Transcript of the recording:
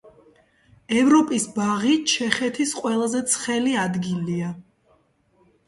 ევროპის ბაღი ჩეხეთის ყველაზე ცხელი ადგილია.